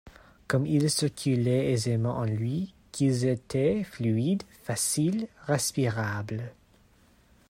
comme ils circulaient aisément en lui, qu’ils étaient fluides, faciles, respirables!